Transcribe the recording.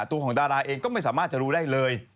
ตัวของดาราเองก็ไม่สามารถจะรู้ได้เลย